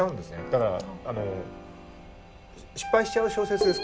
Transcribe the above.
だからあの失敗しちゃう小説です